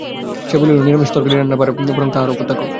সে বলিল, নিরামিষ তরকারি রান্নার ভার বরং তাহার উপর থাকুক।